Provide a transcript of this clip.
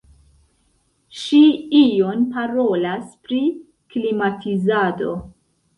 Ŝi ion parolas pri klimatizado.